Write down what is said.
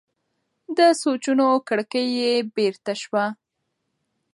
د سوچونو کړکۍ یې بېرته شوه.